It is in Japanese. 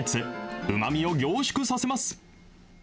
うまみを凝縮させます。